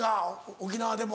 沖縄でも。